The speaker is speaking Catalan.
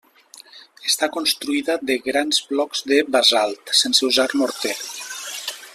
Està construïda de grans blocs de basalt, sense usar morter.